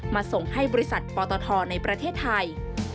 ส่งให้บริษัทปตทในประเทศไทย